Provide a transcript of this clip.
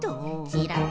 ちらっ。